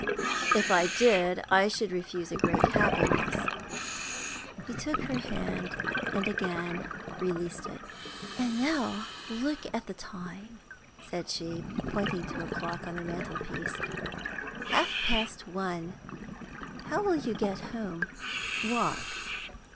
"If I did I should refuse a great happiness." He took her hand and again released it. "And now look at the time," said she, pointing to a clock on the mantelpiece. "Half past one. How will you get home?" "Walk.